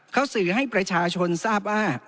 เขาสื่อให้ประชาชนทราบว่า